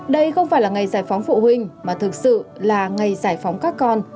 đây không phải là ngày giải phóng phụ huynh mà thực sự là ngày giải phóng các con